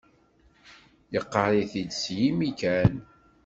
Yeqqar-it-id s yimi kan